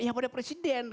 ya pada presiden